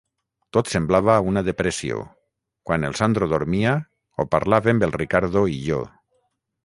Tot semblava una depressió; quan el Sandro dormia, ho parlàvem el Riccardo i jo.